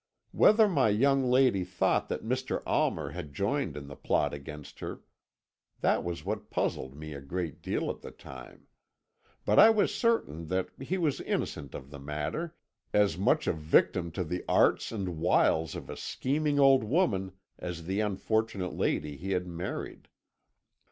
"Whether my young lady thought that Mr. Almer had joined in the plot against her that was what puzzled me a great deal at the time; but I was certain that he was innocent in the matter, as much a victim to the arts and wiles of a scheming old woman as the unfortunate lady he had married.